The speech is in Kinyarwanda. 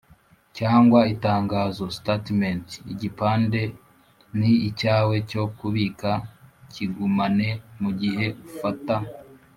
cyangwa itangazo statement Igipande ni icyawe cyo kubika Kigumane mu gihe ufata